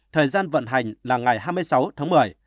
thời gian vận hành là ngày hai mươi sáu tháng một mươi